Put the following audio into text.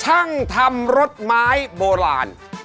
ช่างทำรถไม้โบราณ